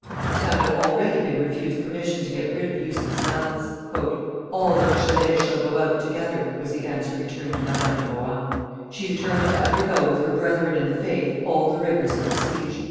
The town had already been refused permission to get rid of useless mouths. "All the Rochellese shall go out together," was the answer returned to Madame de Rohan. She determined to undergo with her brethren in the faith all the rigors of the siege.